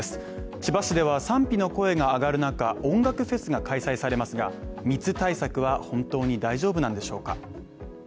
千葉市では賛否の声が上がるなか音楽フェスが開催されますが、密対策は本当に大丈夫なんでしょうか。